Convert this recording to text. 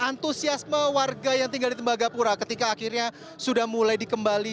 antusiasme warga yang tinggal di tembagapura ketika akhirnya sudah mulai dikembali